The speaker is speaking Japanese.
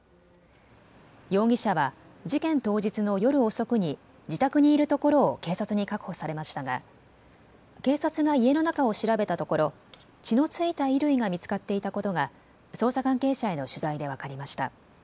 容疑者は事件当日の夜遅くに自宅にいるところを警察に確保されましたが警察が家の中を調べたところ血の付いた衣類が見つかっていたことが捜査関係者への取材で分かりました。